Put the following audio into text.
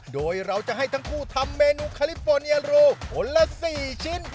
โดยเราจะให้ทั้งคู่ทำเมนูคาลิปโปเนียรูคนละ๔ชิ้น